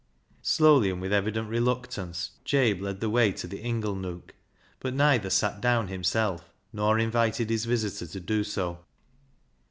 SIowl}', and with evident reluctance, Jabe led the way to the inglenook, but neither sat down himself nor invited his visitor to do so.